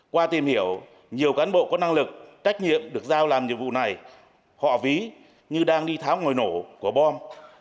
qua tìm hiểu nhiều cán bộ có năng lực trách nhiệm được giao làm nhiệm vụ này họ ví như đang đi tháo ngồi nổ của bom